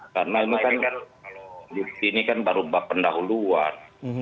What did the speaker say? karena ini kan baru empat pendahuluan